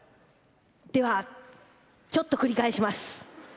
ではちょっと繰り返します。